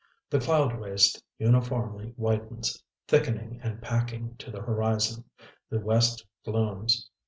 The cloud waste uniformly whitens; thickening and packing to the horizon. The west glooms.